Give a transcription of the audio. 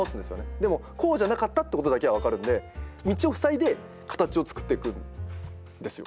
でもこうじゃなかったってことだけは分かるんで道を塞いで形を作っていくんですよ。